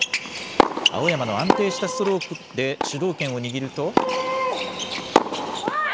青山の安定したストロークで主導権を握ると。